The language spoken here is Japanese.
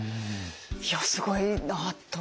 いやすごいなと。